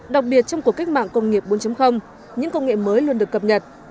đặc biệt trong cuộc cách mạng công nghiệp bốn những công nghệ mới luôn được cập nhật